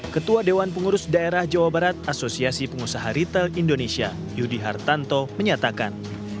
ketua dewan pengurus daerah jawa barat asosiasi pengusaha retail indonesia yudi hartanto menyatakan